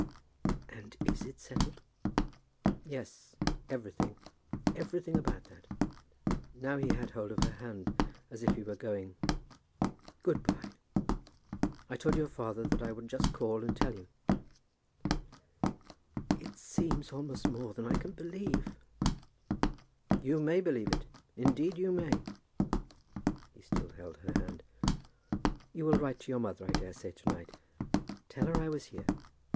"And is it settled?" "Yes; everything. Everything about that." Now he had hold of her hand as if he were going. "Good by. I told your father that I would just call and tell you." "It seems almost more than I can believe." "You may believe it; indeed you may." He still held her hand. "You will write to your mother I daresay to night. Tell her I was here.